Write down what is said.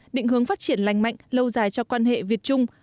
định hướng phát triển lành mạnh lâu dài cho quan hệ việt trung